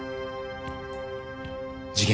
事件